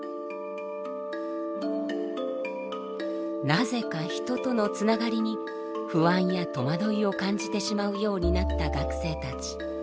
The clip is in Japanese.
なぜか人とのつながりに不安や戸惑いを感じてしまうようになった学生たち。